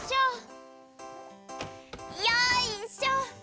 よいしょ！